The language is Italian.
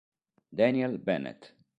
Daniel Bennett